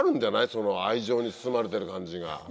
その愛情に包まれてる感じが。